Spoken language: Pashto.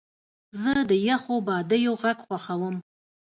زه د یخو بادیو غږ خوښوم.